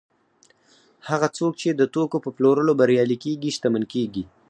هغه څوک چې د توکو په پلورلو بریالي کېږي شتمن کېږي